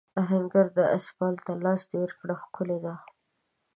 آهنګر د آس یال ته لاس تېر کړ ښکلی دی.